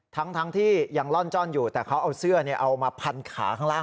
ถ่ายรูปถ่ายรูปผ่านกระจกมา